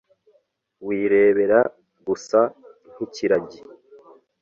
wirebera gusa nk'ikiragi